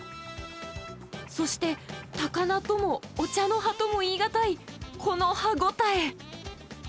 そして、高菜ともお茶の葉とも言い難い、この歯応え。